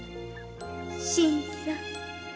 新さん。